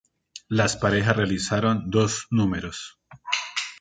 Las parejas realizaron dos números.